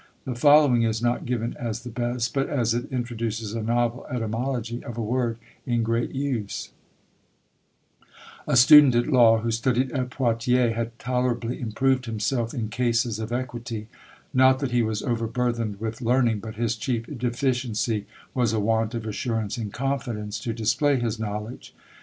The following is not given as the best, but as it introduces a novel etymology of a word in great use: "A student at law, who studied at Poitiers, had tolerably improved himself in cases of equity; not that he was over burthened with learning; but his chief deficiency was a want of assurance and confidence to display his knowledge.